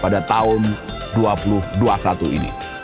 pada tahun dua ribu dua puluh satu ini